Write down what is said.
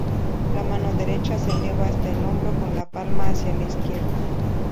La mano derecha se eleva hasta el hombro, con la palma hacia la izquierda.